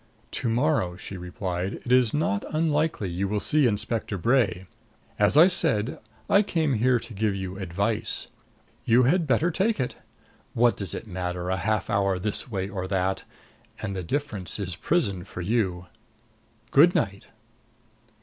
"To morrow," she replied, "it is not unlikely you will see Inspector Bray. As I said, I came here to give you advice. You had better take it. What does it matter a half hour this way or that? And the difference is prison for you. Good night."